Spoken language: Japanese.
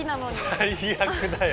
最悪だよ。